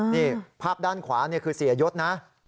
นี่ภาพด้านขวานี่คือเสียยศนะ